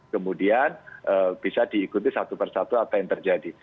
kemudian bisa diikuti satu persatu apa yang terjadi